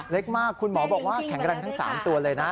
เล็กมากคุณหมอบอกว่าแข็งแรงทั้ง๓ตัวเลยนะ